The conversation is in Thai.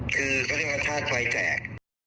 คือสัตย์กันชาติไว้แจก